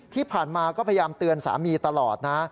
ที่ผ่านมาก็พยายามเตือนสามีตลอดนะ